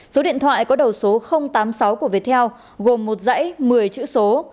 số điện thoại có đầu số tám mươi sáu của viettel gồm một dãy một mươi chữ số